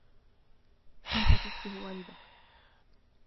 أنت تشبه والدك.